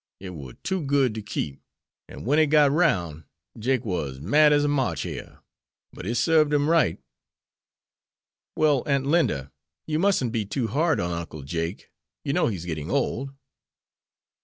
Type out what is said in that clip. It war too good to keep; an' wen it got roun', Jake war as mad as a March hare. But it sarved him right." "Well, Aunt Linda, you musn't be too hard on Uncle Jake; you know he's getting old."